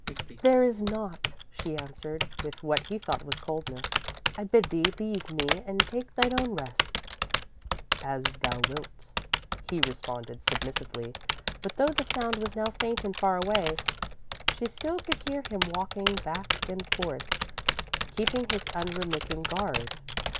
_ "There is naught," she answered, with what he thought was coldness. "I bid thee leave me and take thine own rest." _"As thou wilt," he responded, submissively, but though the sound was now faint and far away, she still could hear him walking back and forth, keeping his unremitting guard.